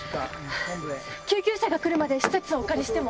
救急車が来るまで施設をお借りしても？